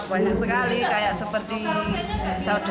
banyak sekali kayak seperti saudara